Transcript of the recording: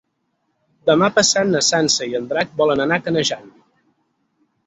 Demà passat na Sança i en Drac volen anar a Canejan.